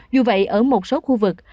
dù vậy ở một số khu vực